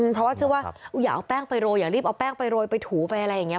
เพราะว่าเชื่อว่าอย่าเอาแป้งไปโรยอย่ารีบเอาแป้งไปโรยไปถูไปอะไรอย่างนี้